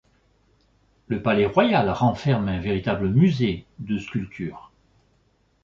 Le palais royal renferme un véritable musée de sculptures.